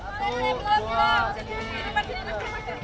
pekan ini pekan ini